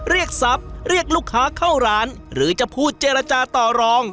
เรียกทรัพย์เรียกลูกค้าเข้าร้านหรือจะพูดเจรจาต่อรอง